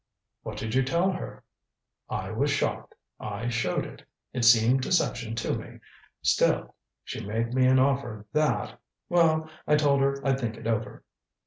"What did you tell her?" "I was shocked. I showed it. It seemed deception to me. Still she made me an offer that well, I told her I'd think it over."